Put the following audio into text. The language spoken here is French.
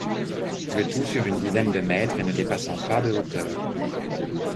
Le tout sur une dizaine de mètres et ne dépassant pas de hauteur.